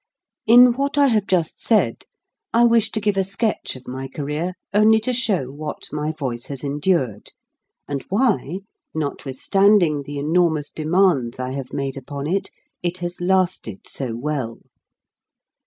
In what I have just said I wish to give a sketch of my career only to show what my voice has endured, and why, notwithstanding the enormous demands I have made upon it, it has lasted so well.